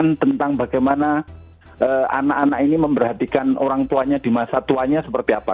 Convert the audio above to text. pertanyaan tentang bagaimana anak anak ini memperhatikan orang tuanya di masa tuanya seperti apa